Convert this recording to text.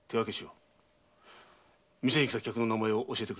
店に来た客の名前を教えてくれないか。